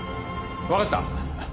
分かった。